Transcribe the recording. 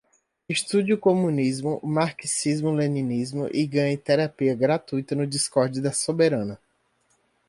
Estude o comunismo, o marxismo-leninismo e ganhe terapia gratuita no discord da Soberana.